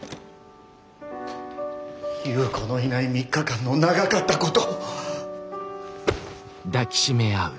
夕子のいない３日間の長かったこと。